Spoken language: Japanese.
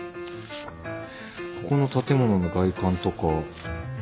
この建物の外観とか。